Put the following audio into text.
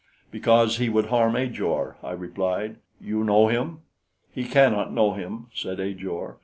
"Because he would harm Ajor," I replied. "You know him?" "He cannot know him," said Ajor.